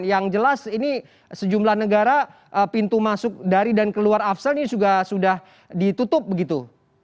yang jelas ini sejumlah negara pintu masuk dari dan keluar afsel ini sudah ditutup begitu